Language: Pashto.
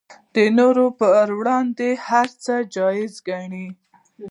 نورو پر وړاندې هر څه جایز ګڼي